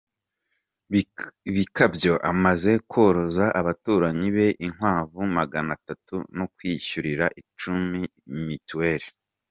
Bikabyo amaze koroza abaturanyi be inkwavu maganatatu no kwishyurira icumi mitiweli